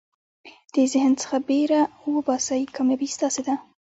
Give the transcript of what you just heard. د ذهن څخه بېره وباسئ، کامیابي ستاسي ده.